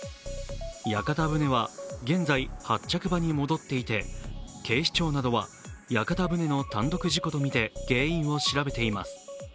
屋形船は現在、発着場に戻っていて警視庁などは屋形船の単独事故とみて原因を調べています。